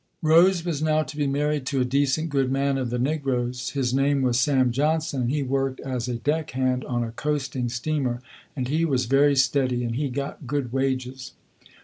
Rose was now to be married to a decent good man of the negroes. His name was Sam Johnson, and he worked as a deck hand on a coasting steamer, and he was very steady, and he got good wages.